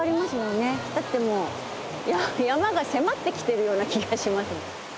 ねだってもう山が迫ってきてるような気がしますもん。